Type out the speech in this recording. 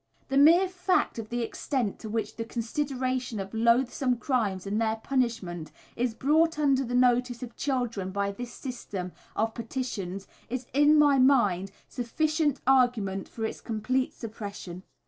The mere fact of the extent to which the consideration of loathsome crimes and their punishment is brought under the notice of children by this system of petitions, is in my mind sufficient argument for its complete suppression.